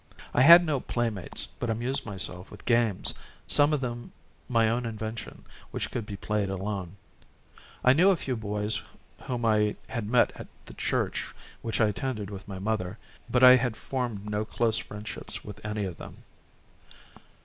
I had no playmates, but amused myself with games some of them my own invention which could be played alone. I knew a few boys whom I had met at the church which I attended with my mother, but I had formed no close friendships with any of them.